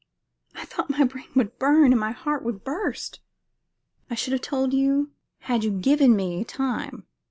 I thought my brain would burn and my heart burst." "I should have told you had you given me time.